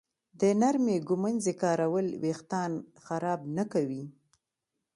د نرمې ږمنځې کارول وېښتان خراب نه کوي.